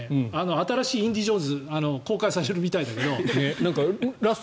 新しい「インディ・ジョーンズ」公開されるみたいだけど。